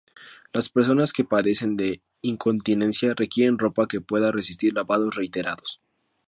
Las personas que padecen de incontinencia requieren ropa que pueda resistir lavados reiterados.